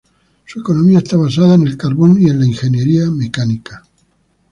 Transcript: Su economía está basada en el carbón y en la ingeniería mecánica.